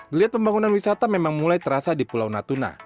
geliat pembangunan wisata memang mulai terasa di pulau natuna